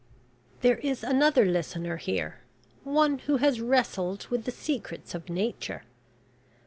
"There is another listener here one who has wrestled with the secrets of Nature.